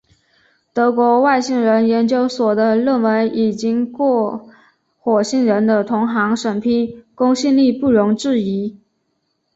德国外星人研究所的论文已经过火星人的同行审批，公信力不容置疑。